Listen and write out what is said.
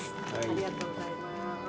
ありがとうございます。